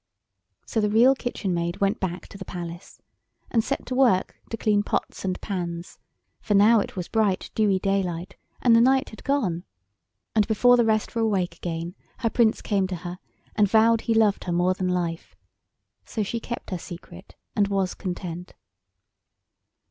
So the Real Kitchen Maid went back to the Palace, and set to work to clean pots and pans, for now it was bright dewy daylight, and the night had gone. And before the rest were awake again her Prince came to her and vowed he loved her more than life; so she kept her secret and was content.